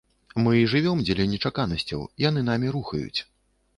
Мы і жывём дзеля нечаканасцяў, яны намі рухаюць.